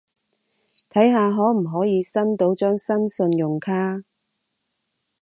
睇下可唔可以申到張新信用卡